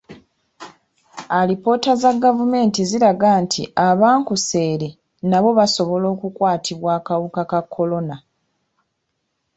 Alipoota za gavumenti ziraga nti abankuseere nabo basobola okukwatibwa akawuka ka kolona.